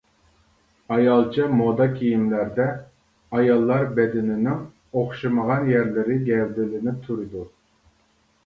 ئايالچە مودا كىيىملەردە ئاياللار بەدىنىنىڭ ئوخشىمىغان يەرلىرى گەۋدىلىنىپ تۇرىدۇ.